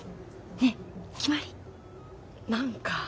ねえ決まり？何か。